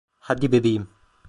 Hadi bebeğim.